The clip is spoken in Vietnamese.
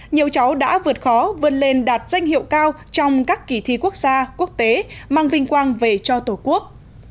nhiều cháu đã vượt khó vươn lên đạt danh hiệu cao trong các kỳ thi quốc gia quốc tế mang vinh quang về cho tổ quốc